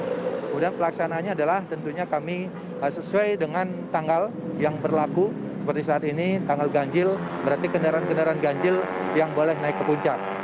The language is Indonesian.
kemudian pelaksananya adalah tentunya kami sesuai dengan tanggal yang berlaku seperti saat ini tanggal ganjil berarti kendaraan kendaraan ganjil yang boleh naik ke puncak